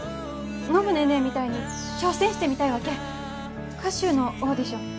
暢子ネーネーみたいに挑戦してみたいわけ歌手のオーディション。